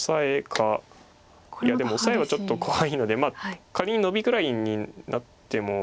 いやでもオサエはちょっと怖いので仮にノビぐらいになっても。